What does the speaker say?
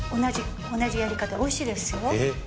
同じやり方おいしいですよ。